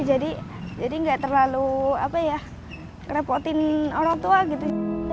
jadi enggak terlalu kerepotin orang tua gitu